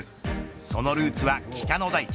そのルーツは北の大地